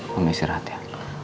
mama istirahat ya